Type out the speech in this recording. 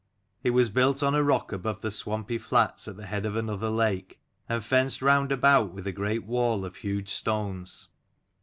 It was built on a rock above the swampy flats at the head of another lake, and fenced round about with a great wall of huge stones.